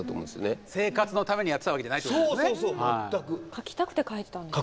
書きたくて書いてたんですよね。